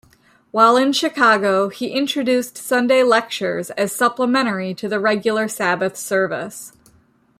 While in Chicago he introduced Sunday lectures as supplementary to the regular Sabbath service.